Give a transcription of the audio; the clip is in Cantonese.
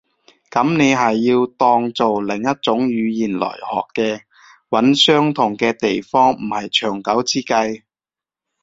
噉你係要當做另一種語言來學嘅。揾相同嘅地方唔係長久之計